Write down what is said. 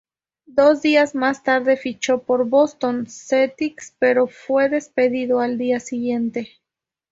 Dos días más tarde fichó por Boston Celtics, pero fue despedido al día siguiente.